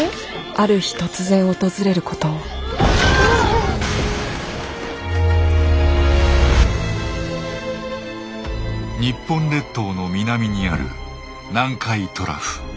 ある日突然訪れることを日本列島の南にある南海トラフ。